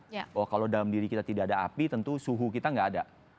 bahwa kalau dalam diri kita tidak ada api tentu suhu kita tidak ada